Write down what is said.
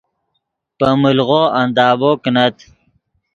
پے ملغو اندابو کینت